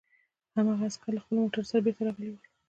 هماغه عسکر له خپلو موټرو سره بېرته راغلي وو